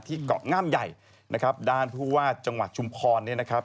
เกาะงามใหญ่นะครับด้านผู้ว่าจังหวัดชุมพรเนี่ยนะครับ